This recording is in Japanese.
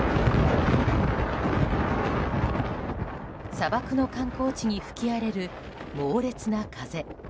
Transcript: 砂漠の観光地に吹き荒れる猛烈な風。